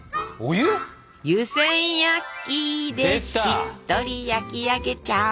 「湯せん焼き」でしっとり焼き上げちゃう。